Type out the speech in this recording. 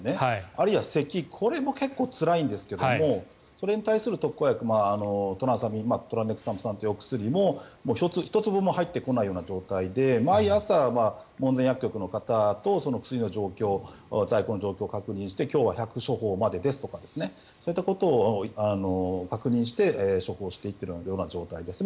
あるいはせきこれも結構つらいんですけどそれに対する特効薬はトランサミントラネキサム酸というお薬も１粒も入ってこない状況で毎朝、門前薬局の方と薬の状況、在庫の状況を確認して今日は１００処方までですとそういったことを確認して処方していっているような状態です。